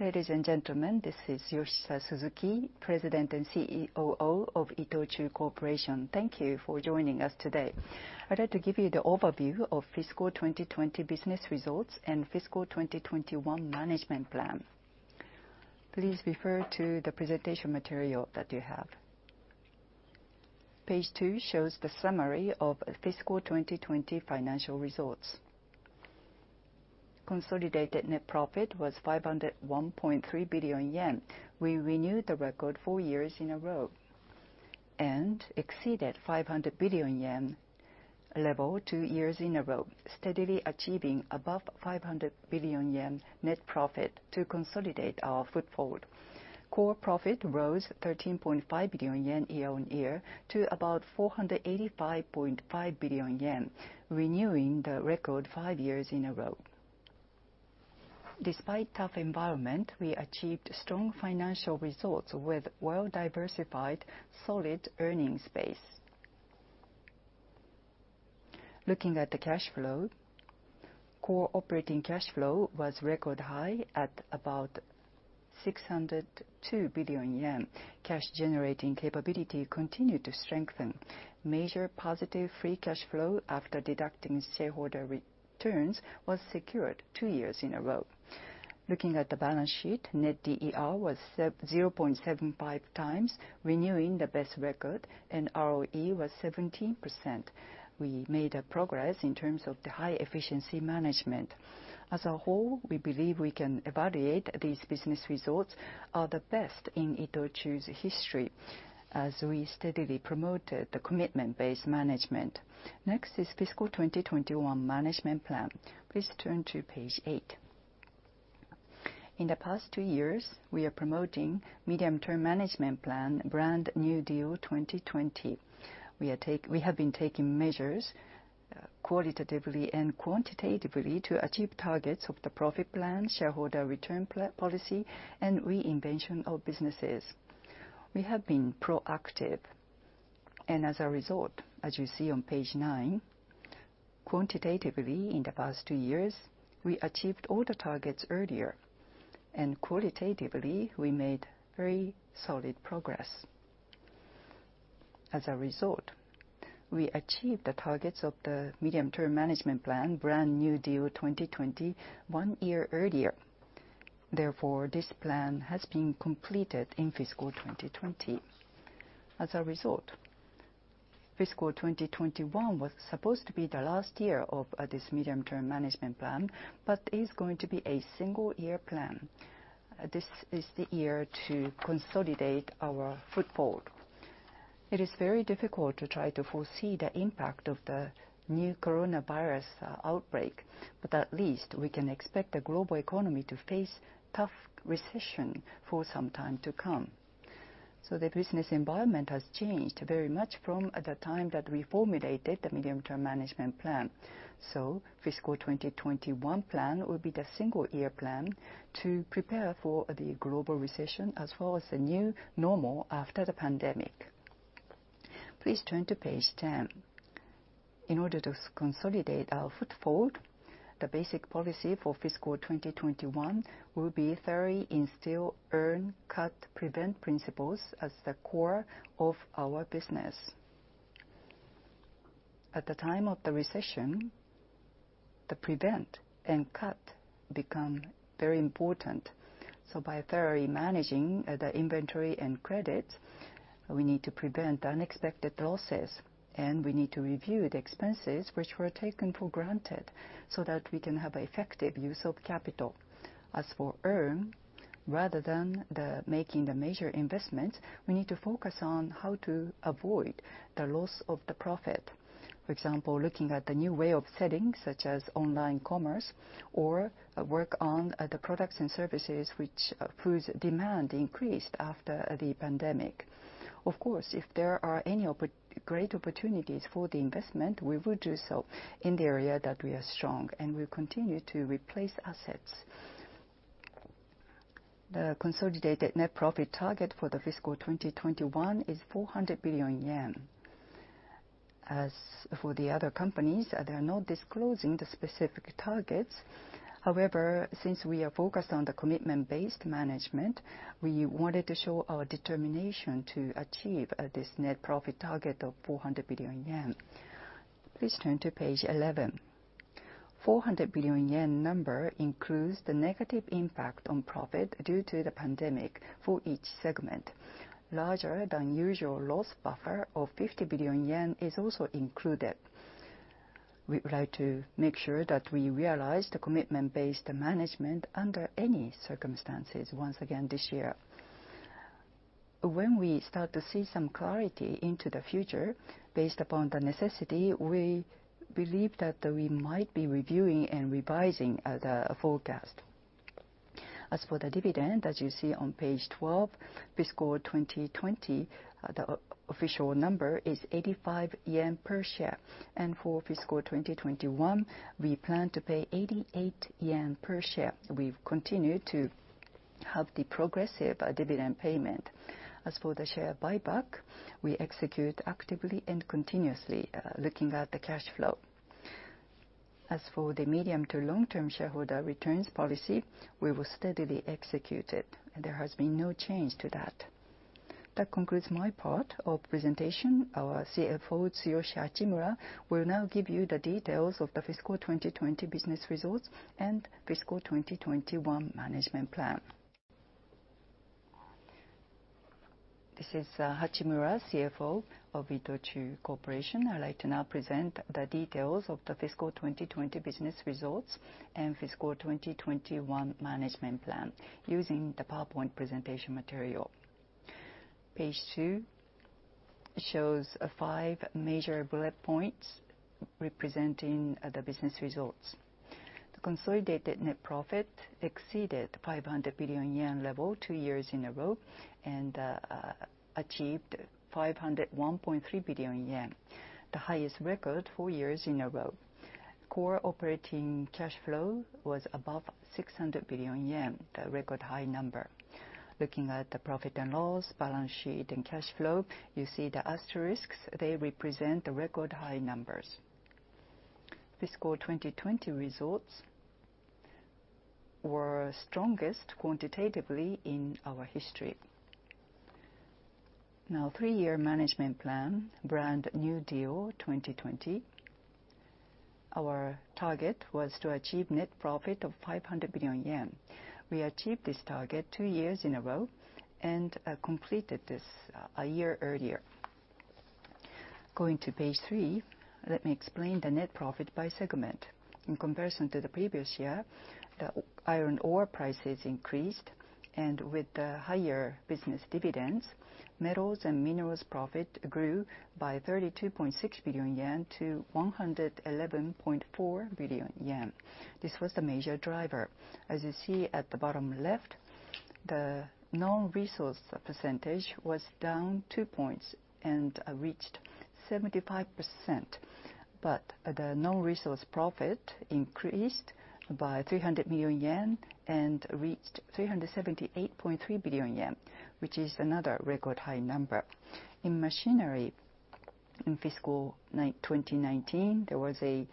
Ladies and gentlemen, this is Masahiro Okafuji, President and CEO of ITOCHU Corporation. Thank you for joining us today. I'd like to give you the overview of fiscal 2020 business results and fiscal 2021 management plan. Please refer to the presentation material that you have. Page two shows the summary of fiscal 2020 financial results. Consolidated net profit was 501.3 billion yen. We renewed the record four years in a row and exceeded the 500 billion yen level two years in a row, steadily achieving above 500 billion yen net profit to consolidate our foothold. Core profit rose 13.5 billion yen year-on-year to about 485.5 billion yen, renewing the record five years in a row. Despite a tough environment, we achieved strong financial results with well-diversified, solid earnings base. Looking at the cash flow, core operating cash flow was record high at about 602 billion yen. Cash-generating capability continued to strengthen. Major positive free cash flow after deducting shareholder returns was secured two years in a row. Looking at the balance sheet, net DER was 0.75 times, renewing the best record, and ROE was 17%. We made progress in terms of the high-efficiency management. As a whole, we believe we can evaluate these business results as the best in ITOCHU's history, as we steadily promoted the commitment-based management. Next is fiscal 2021 management plan. Please turn to page eight. In the past two years, we are promoting the medium-term management plan, Brand New Deal 2020. We have been taking measures qualitatively and quantitatively to achieve targets of the profit plan, shareholder return policy, and reinvention of businesses. We have been proactive, and as a result, as you see on page 9, quantitatively in the past two years, we achieved all the targets earlier, and qualitatively we made very solid progress. As a result, we achieved the targets of the medium-term management plan, Brand New Deal 2020, one year earlier. Therefore, this plan has been completed in fiscal 2020. As a result, fiscal 2021 was supposed to be the last year of this medium-term management plan, but it is going to be a single-year plan. This is the year to consolidate our foothold. It is very difficult to try to foresee the impact of the new coronavirus outbreak, but at least we can expect the global economy to face a tough recession for some time to come. The business environment has changed very much from the time that we formulated the medium-term management plan. Fiscal 2021 plan will be the single-year plan to prepare for the global recession as well as the new normal after the pandemic. Please turn to page 10. In order to consolidate our foothold, the basic policy for fiscal 2021 will be theory instill earn, cut, prevent principles as the core of our business. At the time of the recession, the prevent and cut become very important. By theory managing the inventory and credits, we need to prevent unexpected losses, and we need to review the expenses which were taken for granted so that we can have effective use of capital. As for earn, rather than making the major investments, we need to focus on how to avoid the loss of the profit. For example, looking at the new way of selling, such as online commerce, or work on the products and services which foods demand increased after the pandemic. Of course, if there are any great opportunities for the investment, we would do so in the area that we are strong, and we will continue to replace assets. The consolidated net profit target for the fiscal 2021 is 400 billion yen. As for the other companies, they are not disclosing the specific targets. However, since we are focused on the commitment-based management, we wanted to show our determination to achieve this net profit target of 400 billion yen. Please turn to page 11. The 400 billion yen number includes the negative impact on profit due to the pandemic for each segment. Larger than usual loss buffer of 50 billion yen is also included. We would like to make sure that we realize the commitment-based management under any circumstances once again this year. When we start to see some clarity into the future, based upon the necessity, we believe that we might be reviewing and revising the forecast. As for the dividend, as you see on page 12, fiscal 2020, the official number is 85 yen per share, and for fiscal 2021, we plan to pay 88 yen per share. We will continue to have the progressive dividend payment. As for the share buyback, we execute actively and continuously, looking at the cash flow. As for the medium to long-term shareholder returns policy, we will steadily execute it. There has been no change to that. That concludes my part of the presentation. Our CFO, Tsuyoshi Hachimura, will now give you the details of the fiscal 2020 business results and fiscal 2021 management plan. This is Hachimura, CFO of ITOCHU Corporation. I'd like to now present the details of the fiscal 2020 business results and fiscal 2021 management plan using the PowerPoint presentation material. Page 2 shows five major bullet points representing the business results. The consolidated net profit exceeded 500 billion yen level two years in a row and achieved 501.3 billion yen, the highest record four years in a row. Core operating cash flow was above 600 billion yen, the record high number. Looking at the profit and loss, balance sheet, and cash flow, you see the asterisks; they represent the record high numbers. Fiscal 2020 results were strongest quantitatively in our history. Now, three-year management plan, Brand New Deal 2020. Our target was to achieve net profit of 500 billion yen. We achieved this target two years in a row and completed this a year earlier. Going to page 3, let me explain the net profit by segment. In comparison to the previous year, the iron ore prices increased, and with the higher business dividends, metals and minerals profit grew by 32.6 billion yen to 111.4 billion yen. This was the major driver. As you see at the bottom left, the non-resource percentage was down two points and reached 75%, but the non-resource profit increased by 300 million yen and reached 378.3 billion yen, which is another record high number. In machinery in fiscal 2019, there was an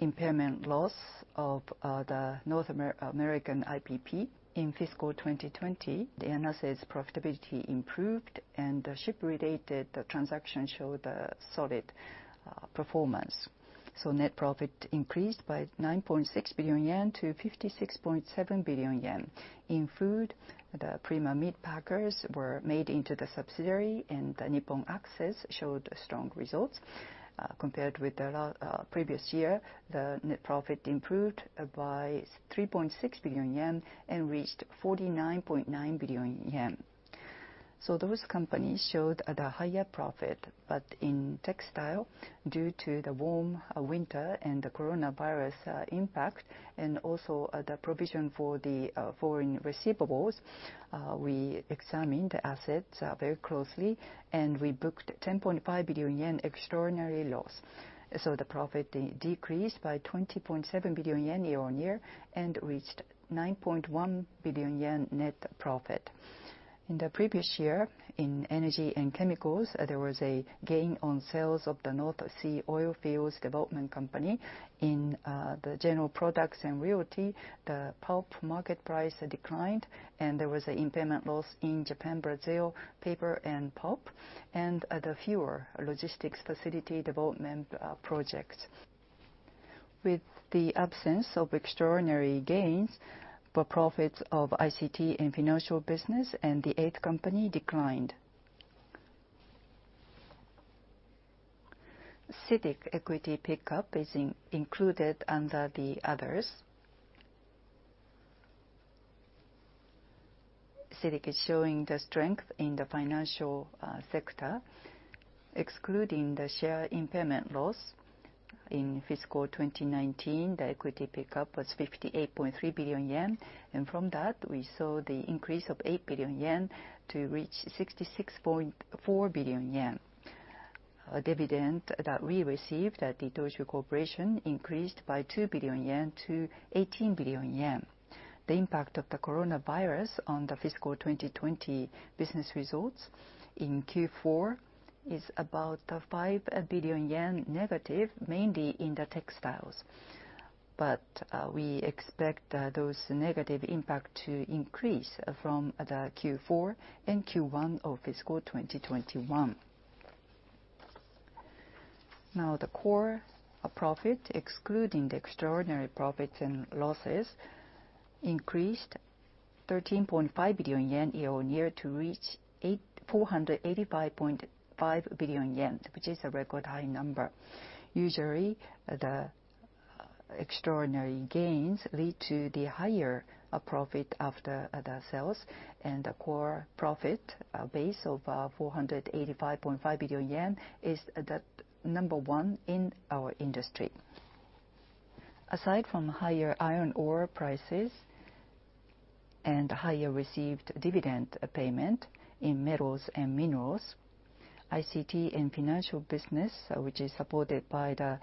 impairment loss of the North American IPP. In fiscal 2020, the MESA's profitability improved, and the ship-related transactions showed solid performance. Net profit increased by 9.6 billion yen to 56.7 billion yen. In food, the Prima Meat Packers were made into the subsidiary, and the Nippon Access showed strong results. Compared with the previous year, the net profit improved by 3.6 billion yen and reached 49.9 billion yen. Those companies showed the higher profit, but in textile, due to the warm winter and the coronavirus impact, and also the provision for the foreign receivables, we examined the assets very closely, and we booked 10.5 billion yen extraordinary loss. The profit decreased by 20.7 billion yen year-on-year and reached 9.1 billion yen net profit. In the previous year, in energy and chemicals, there was a gain on sales of the North Sea Oil Fields Development Company. In the general products and realty, the pulp market price declined, and there was an impairment loss in Japan Brazil Paper and Pulp, and the fewer logistics facility development projects. With the absence of extraordinary gains, the profits of ICT and financial business and The 8th Company declined. CITIC equity pickup is included under the others. CITIC is showing the strength in the financial sector, excluding the share impairment loss. In fiscal 2019, the equity pickup was 58.3 billion yen, and from that, we saw the increase of 8 billion yen to reach 66.4 billion yen. The dividend that we received at ITOCHU Corporation increased by 2 billion yen to 18 billion yen. The impact of the coronavirus on the fiscal 2020 business results in Q4 is about 5 billion yen negative, mainly in the textiles. We expect those negative impacts to increase from the Q4 and Q1 of fiscal 2021. Now, the core profit, excluding the extraordinary profits and losses, increased 13.5 billion yen year-on-year to reach 485.5 billion yen, which is a record high number. Usually, the extraordinary gains lead to the higher profit of the sales, and the core profit base of 485.5 billion yen is the number one in our industry. Aside from higher iron ore prices and higher received dividend payment in metals and minerals, ICT and financial business, which is supported by the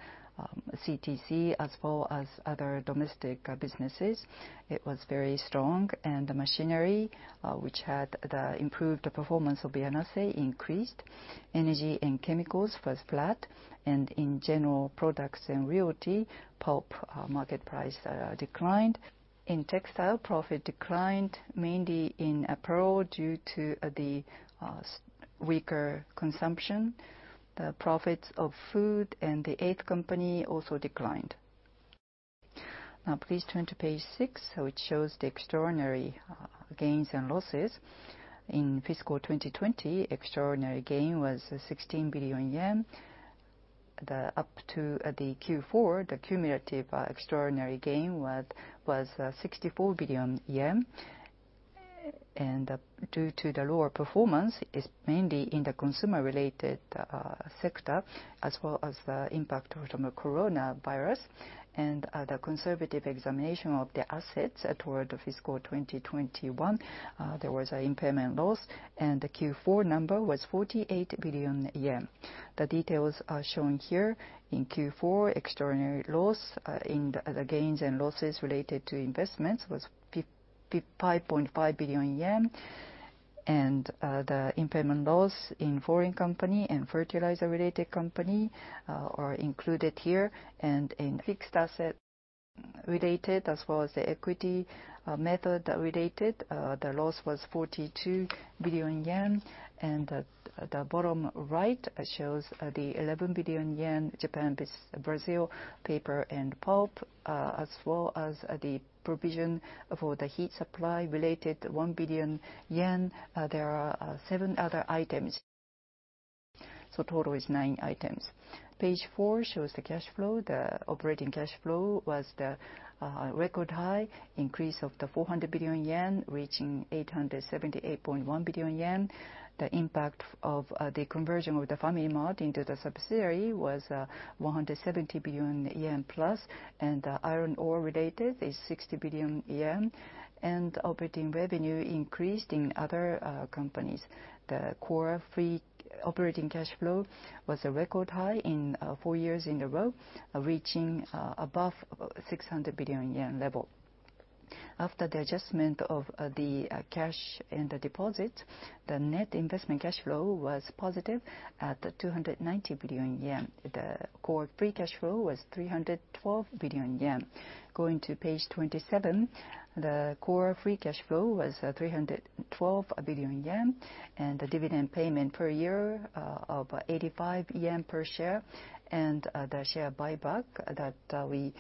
CTC as well as other domestic businesses, was very strong, and the machinery, which had the improved performance of the NSA, increased. Energy and chemicals were flat, and in general products and realty, pulp market price declined. In textile, profit declined mainly in apparel due to the weaker consumption. The profits of food and the eighth company also declined. Now, please turn to page 6, which shows the extraordinary gains and losses. In fiscal 2020, extraordinary gain was 16 billion yen. Up to the Q4, the cumulative extraordinary gain was 64 billion yen, and due to the lower performance, it's mainly in the consumer-related sector as well as the impact from the coronavirus. The conservative examination of the assets toward fiscal 2021, there was an impairment loss, and the Q4 number was 48 billion yen. The details are shown here in Q4. Extraordinary loss in the gains and losses related to investments was 5.5 billion yen, and the impairment loss in foreign company and fertilizer-related company are included here. In fixed asset-related as well as the equity method-related, the loss was 42 billion yen, and the bottom right shows the 11 billion yen Japan-Brazil Paper and Pulp, as well as the provision for the heat supply related 1 billion yen. There are seven other items, so total is nine items. Page 4 shows the cash flow. The operating cash flow was the record high, increase of 400 billion yen, reaching 878.1 billion yen. The impact of the conversion of the FamilyMart into the subsidiary was 170 billion yen plus, and the iron ore-related is 60 billion yen, and operating revenue increased in other companies. The core operating cash flow was a record high in four years in a row, reaching above 600 billion yen level. After the adjustment of the cash and the deposits, the net investment cash flow was positive at 290 billion yen. The core free cash flow was 312 billion yen. Going to page 27, the core free cash flow was 312 billion yen, and the dividend payment per year of 85 yen per share, and the share buyback that we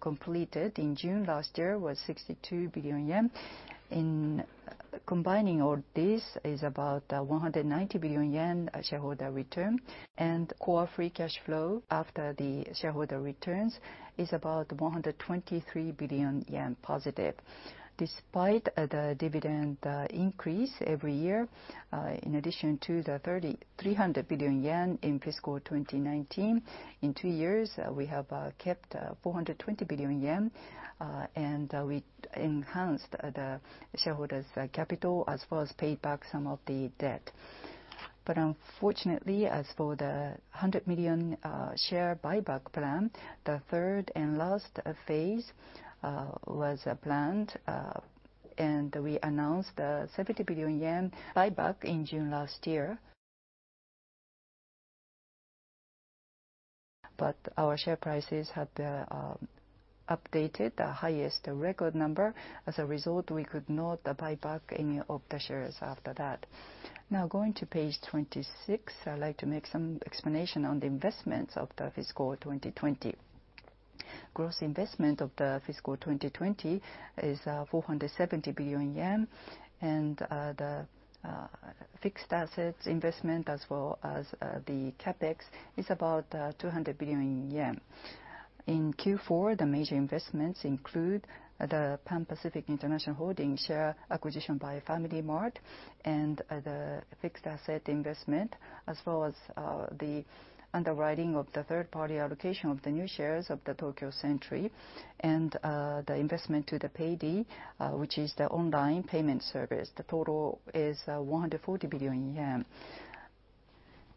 completed in June last year was 62 billion yen. Combining all this is about 190 billion yen shareholder return, and core free cash flow after the shareholder returns is about 123 billion yen positive. Despite the dividend increase every year, in addition to the 300 billion yen in fiscal 2019, in two years we have kept 420 billion yen, and we enhanced the shareholders' capital as well as paid back some of the debt. Unfortunately, as for the 100 million share buyback plan, the third and last phase was planned, and we announced the 70 billion yen buyback in June last year. Our share prices had updated the highest record number. As a result, we could not buy back any of the shares after that. Now, going to page 26, I'd like to make some explanation on the investments of the fiscal 2020. Gross investment of the fiscal 2020 is 470 billion yen, and the fixed assets investment, as well as the CapEx, is about 200 billion yen. In Q4, the major investments include the Pan Pacific International Holdings share acquisition by FamilyMart and the fixed asset investment, as well as the underwriting of the third-party allocation of the new shares of Tokyo Century and the investment to PayPay, which is the online payment service. The total is 140 billion yen.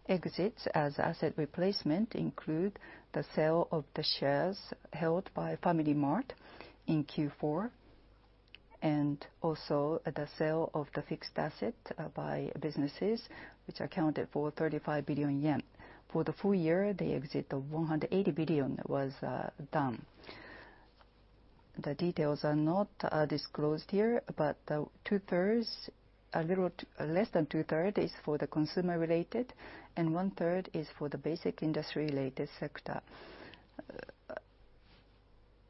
Exits as asset replacement include the sale of the shares held by FamilyMart in Q4 and also the sale of the fixed asset by businesses, which accounted for 35 billion yen. For the full year, the exit of 180 billion was done. The details are not disclosed here, but two-thirds, a little less than two-thirds, is for the consumer-related, and one-third is for the basic industry-related sector.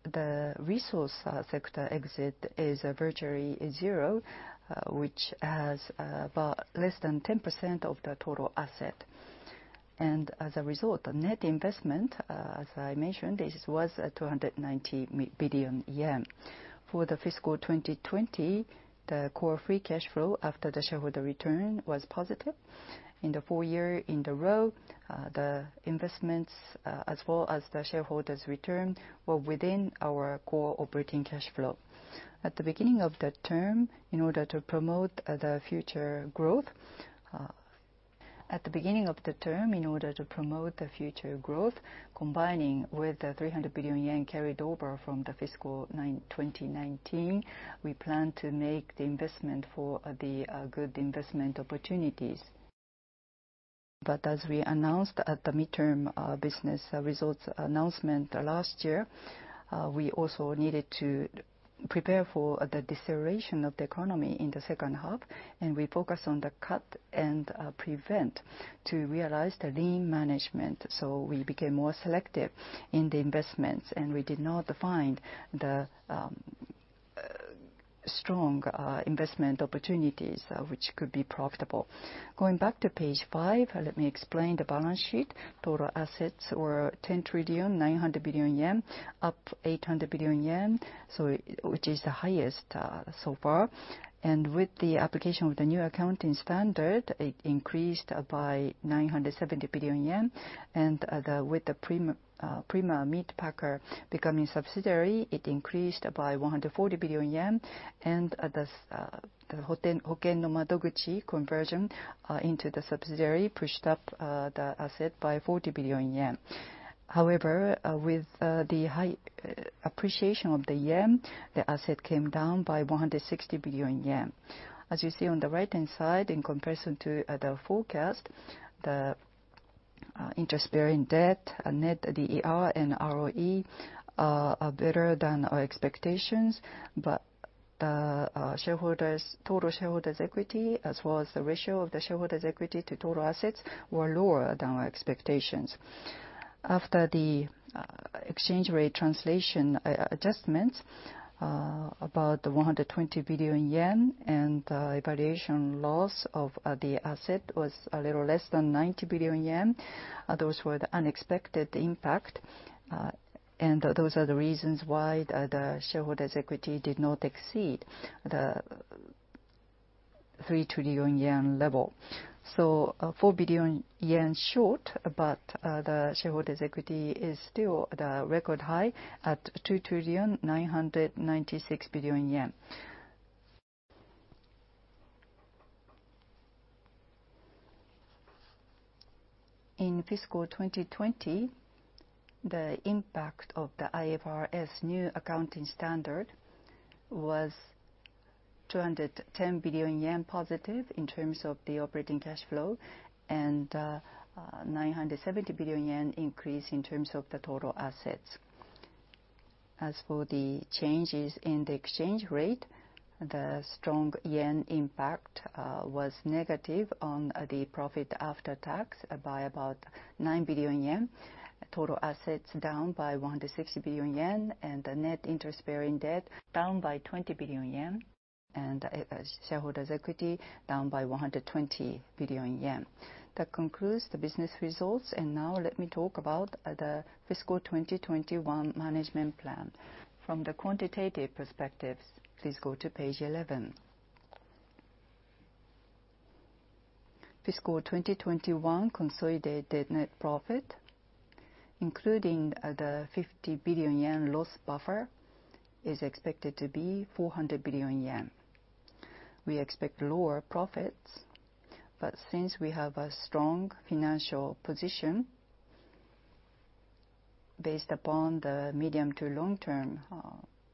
The resource sector exit is virtually zero, which has about less than 10% of the total asset. As a result, the net investment, as I mentioned, was 290 billion yen. For the fiscal 2020, the core free cash flow after the shareholder return was positive. In the four years in a row, the investments, as well as the shareholders' return, were within our core operating cash flow. At the beginning of the term, in order to promote the future growth, combining with the 300 billion yen carried over from the fiscal 2019, we plan to make the investment for the good investment opportunities. As we announced at the midterm business results announcement last year, we also needed to prepare for the deceleration of the economy in the second half, and we focused on the cut and prevent to realize the lean management. We became more selective in the investments, and we did not find the strong investment opportunities, which could be profitable. Going back to page 5, let me explain the balance sheet. Total assets were 10 trillion, 900 billion, up 800 billion yen, which is the highest so far. With the application of the new accounting standard, it increased by 970 billion yen. With Prima Meat Packers becoming a subsidiary, it increased by 140 billion yen. The Hoken No Madoguchi conversion into the subsidiary pushed up the asset by 40 billion yen. However, with the high appreciation of the yen, the asset came down by 160 billion yen. As you see on the right-hand side, in comparison to the forecast, the interest-baring debt, net DER, and ROE are better than our expectations, but the total shareholders' equity, as well as the ratio of the shareholders' equity to total assets, were lower than our expectations. After the exchange rate translation adjustments, about 120 billion yen and the evaluation loss of the asset was a little less than 90 billion yen. Those were the unexpected impact, and those are the reasons why the shareholders' equity did not exceed the 3 trillion yen level. 4 billion yen short, but the shareholders' equity is still the record high at 2 trillion, 996 billion yen. In fiscal 2020, the impact of the IFRS new accounting standard was 210 billion yen positive in terms of the operating cash flow and 970 billion yen increase in terms of the total assets. As for the changes in the exchange rate, the strong yen impact was negative on the profit after tax by about 9 billion yen, total assets down by 160 billion yen, and the net interest-bearing debt down by 20 billion yen, and shareholders' equity down by 120 billion yen. That concludes the business results, and now let me talk about the fiscal 2021 management plan. From the quantitative perspective, please go to page 11. Fiscal 2021 consolidated net profit, including the 50 billion yen loss buffer, is expected to be 400 billion yen. We expect lower profits, but since we have a strong financial position based upon the medium to long-term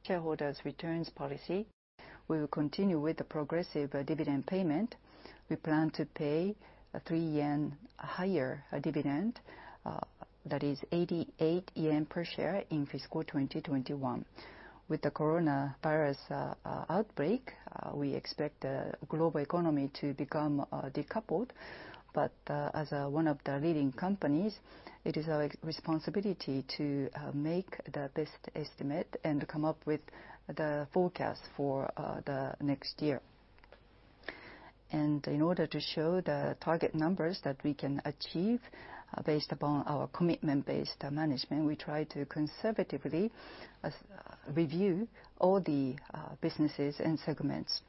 shareholders' returns policy, we will continue with the progressive dividend payment. We plan to pay a 3 yen higher dividend, that is 88 yen per share in fiscal 2021. With the coronavirus outbreak, we expect the global economy to become decoupled, but as one of the leading companies, it is our responsibility to make the best estimate and come up with the forecast for the next year. In order to show the target numbers that we can achieve based upon our commitment-based management, we try to conservatively review all the businesses and segments.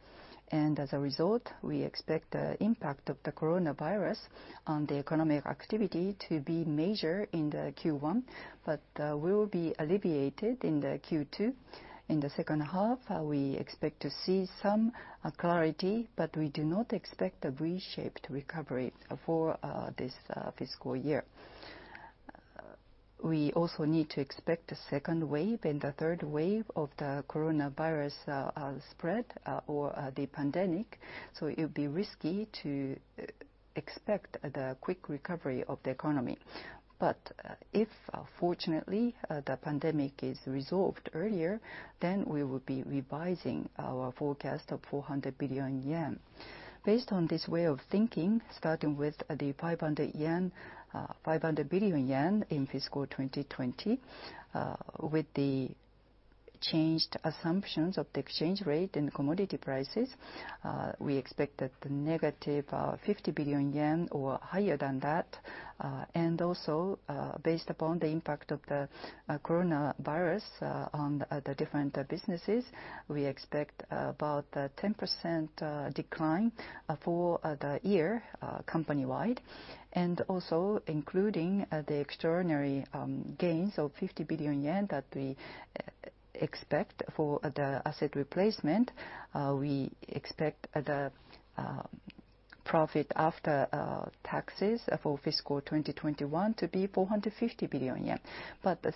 As a result, we expect the impact of the coronavirus on the economic activity to be major in Q1, but will be alleviated in Q2. In the second half, we expect to see some clarity, but we do not expect a V-shaped recovery for this fiscal year. We also need to expect the second wave and the third wave of the coronavirus spread or the pandemic, so it would be risky to expect the quick recovery of the economy. If, fortunately, the pandemic is resolved earlier, then we will be revising our forecast of 400 billion yen. Based on this way of thinking, starting with the 500 billion yen in fiscal 2020, with the changed assumptions of the exchange rate and commodity prices, we expect a negative 50 billion yen or higher than that. Also, based upon the impact of the coronavirus on the different businesses, we expect about a 10% decline for the year company-wide. Also, including the extraordinary gains of 50 billion yen that we expect for the asset replacement, we expect the profit after taxes for fiscal 2021 to be 450 billion yen.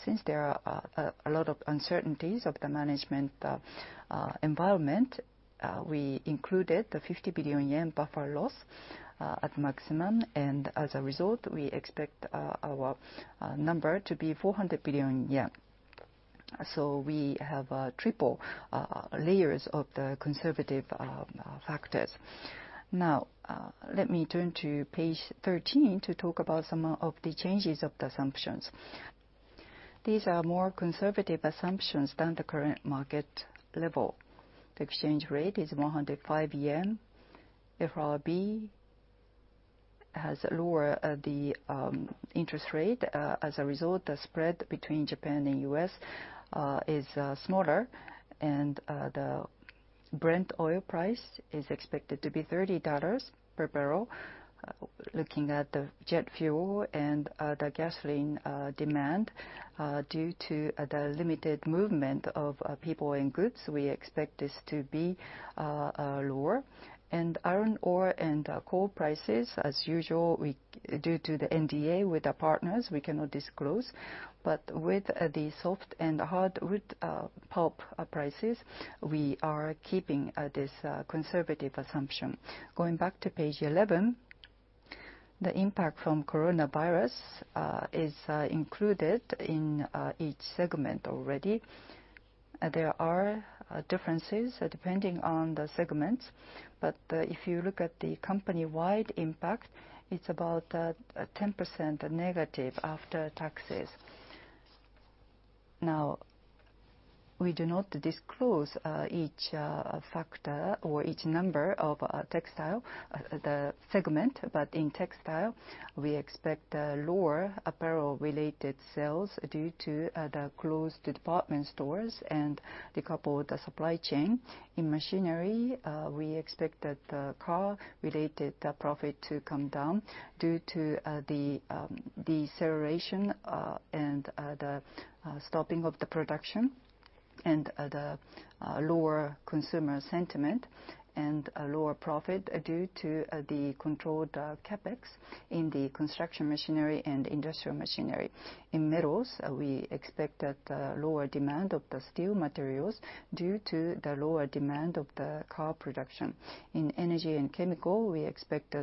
Since there are a lot of uncertainties of the management environment, we included the 50 billion yen buffer loss at maximum, and as a result, we expect our number to be 400 billion yen. We have triple layers of the conservative factors. Now, let me turn to page 13 to talk about some of the changes of the assumptions. These are more conservative assumptions than the current market level. The exchange rate is 105 yen. FRB has lowered the interest rate. As a result, the spread between Japan and the U.S. is smaller, and the Brent oil price is expected to be $30 per barrel. Looking at the jet fuel and the gasoline demand, due to the limited movement of people and goods, we expect this to be lower. Iron ore and coal prices, as usual, due to the NDA with our partners, we cannot disclose. With the soft and hard wood pulp prices, we are keeping this conservative assumption. Going back to page 11, the impact from coronavirus is included in each segment already. There are differences depending on the segments, but if you look at the company-wide impact, it's about a 10% negative after taxes. Now, we do not disclose each factor or each number of textile, the segment, but in textile, we expect lower apparel-related sales due to the closed department stores and decoupled supply chain. In machinery, we expect the car-related profit to come down due to the deceleration and the stopping of the production and the lower consumer sentiment and lower profit due to the controlled CapEx in the construction machinery and industrial machinery. In metals, we expect a lower demand of the steel materials due to the lower demand of the car production. In energy and chemical, we expect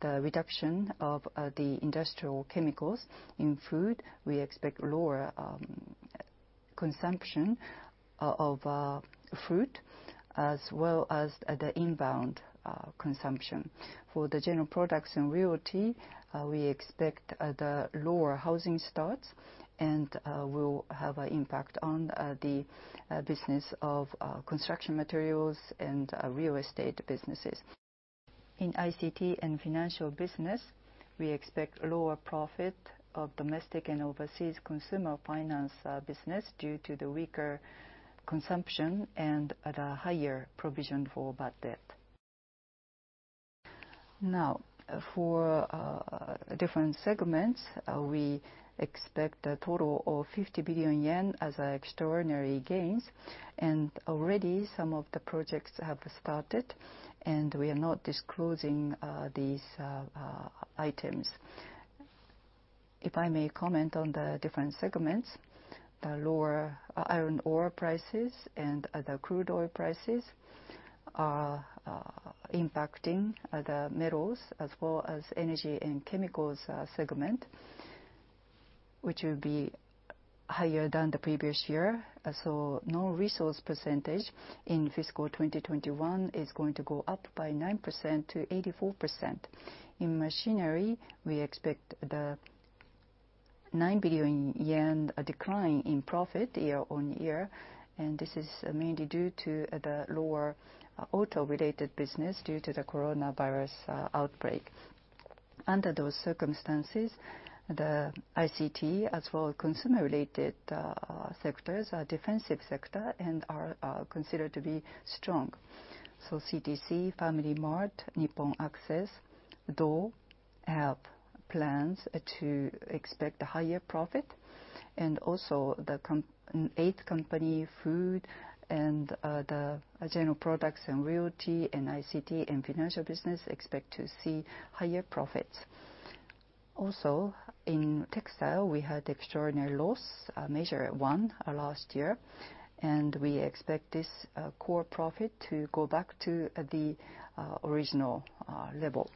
the reduction of the industrial chemicals. In food, we expect lower consumption of fruit, as well as the inbound consumption. For the general products and realty, we expect the lower housing starts and will have an impact on the business of construction materials and real estate businesses. In ICT and financial business, we expect lower profit of domestic and overseas consumer finance business due to the weaker consumption and the higher provision for bad debt. Now, for different segments, we expect a total of 50 billion yen as extraordinary gains, and already some of the projects have started, and we are not disclosing these items. If I may comment on the different segments, the lower iron ore prices and the crude oil prices are impacting the metals, as well as energy and chemicals segment, which will be higher than the previous year. No resource percentage in fiscal 2021 is going to go up by 9%-84%. In machinery, we expect the 9 billion yen decline in profit year on year, and this is mainly due to the lower auto-related business due to the coronavirus outbreak. Under those circumstances, the ICT, as well as consumer-related sectors, are a defensive sector and are considered to be strong. CTC, FamilyMart, Nippon Access do have plans to expect higher profit, and also the eight companies, food and the general products and realty, and ICT and financial business expect to see higher profits. Also, in textile, we had extraordinary loss, major one last year, and we expect this core profit to go back to the original level.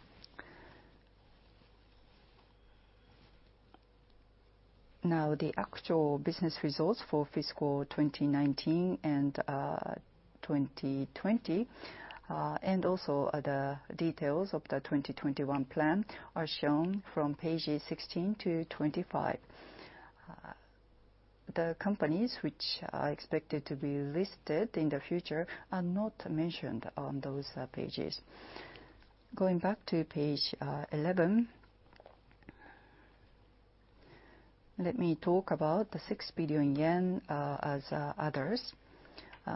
Now, the actual business results for fiscal 2019 and 2020, and also the details of the 2021 plan, are shown from pages 16-25. The companies which are expected to be listed in the future are not mentioned on those pages. Going back to page 11, let me talk about the 6 billion yen as others,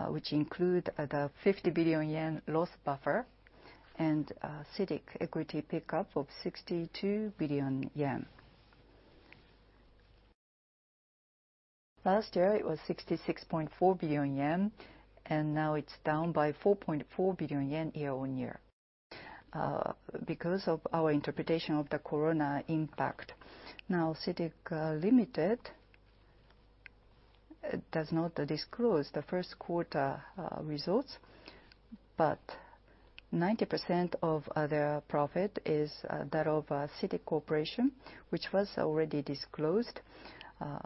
which include the 50 billion yen loss buffer and CITIC equity pickup of 62 billion yen. Last year, it was 66.4 billion yen, and now it's down by 4.4 billion yen year on year because of our interpretation of the corona impact. Now, CITIC Limited does not disclose the first quarter results, but 90% of their profit is that of CITIC Corporation, which was already disclosed,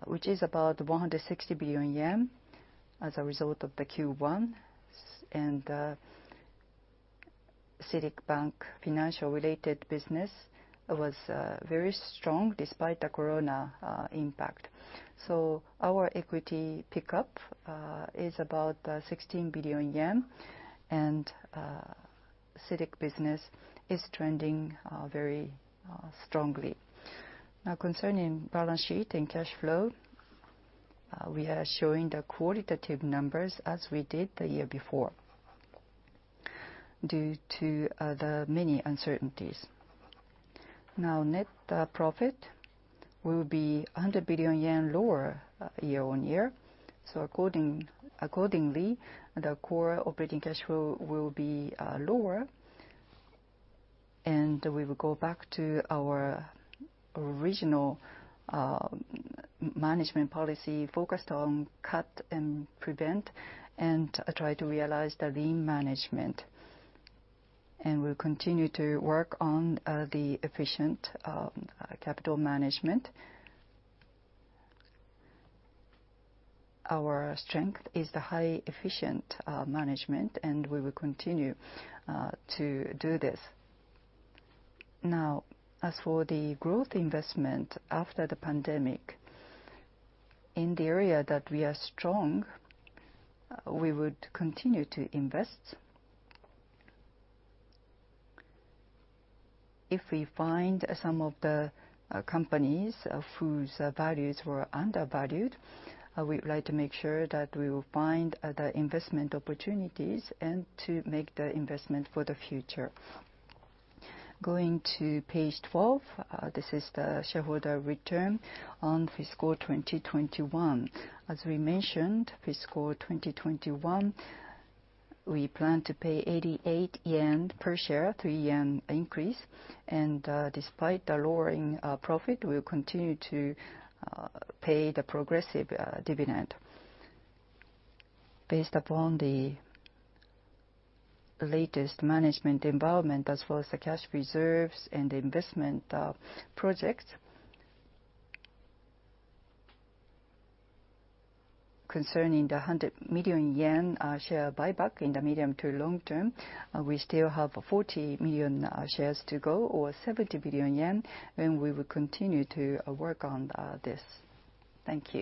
which is about 160 billion yen as a result of the Q1, and CITIC Bank financial-related business was very strong despite the corona impact. Our equity pickup is about 16 billion yen, and CITIC business is trending very strongly. Now, concerning balance sheet and cash flow, we are showing the qualitative numbers as we did the year before due to the many uncertainties. Now, net profit will be 100 billion yen lower year on year, so accordingly, the core operating cash flow will be lower, and we will go back to our original management policy focused on cut and prevent and try to realize the lean management. We will continue to work on the efficient capital management. Our strength is the high-efficient management, and we will continue to do this. Now, as for the growth investment after the pandemic, in the area that we are strong, we would continue to invest. If we find some of the companies whose values were undervalued, we would like to make sure that we will find the investment opportunities and to make the investment for the future. Going to page 12, this is the shareholder return on fiscal 2021. As we mentioned, fiscal 2021, we plan to pay 88 yen per share, 3 yen increase, and despite the lowering profit, we will continue to pay the progressive dividend. Based upon the latest management involvement, as well as the cash reserves and investment projects, concerning the 100 million yen share buyback in the medium to long term, we still have 40 million shares to go or 70 billion yen, and we will continue to work on this. Thank you.